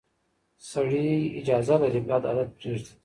سړی اجازه لري بد عادت پرېږدي.